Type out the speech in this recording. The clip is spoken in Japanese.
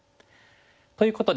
ということで。